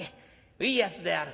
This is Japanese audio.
ういやつである。